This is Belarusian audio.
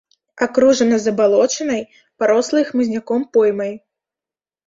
Акружана забалочанай, парослай хмызняком поймай.